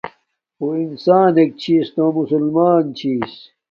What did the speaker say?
اُݸ انسانݵک چھݵس نݸ مسلمݳن چھݵس.